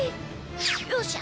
よっしゃ！